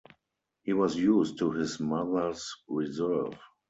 He was used to his mother’s reserve.